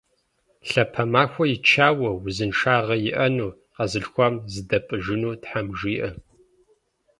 Лъапэ махуэ ичауэ, узыншагъэ иӀэну, къэзылъхуам зэдапӀыжыну Тхьэм жиӀэ!